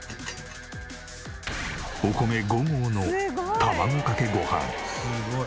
お米５合の卵かけご飯。